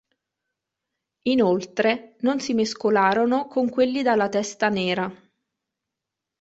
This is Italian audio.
Inoltre non si mescolarono con quelli dalla testa nera.